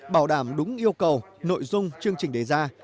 bảo đảm đúng yêu cầu nội dung chương trình đề ra